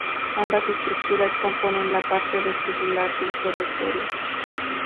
Ambas estructuras componen la parte vestibular del cerebelo.